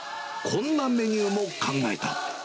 こんなメニューも考えた。